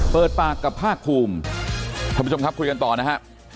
เปิดปากกับภาคภูมิท่านผู้ชมครับคุยกันต่อนะฮะ